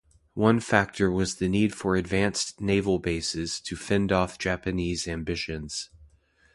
One factor was the need for advanced naval bases to fend off Japanese ambitions.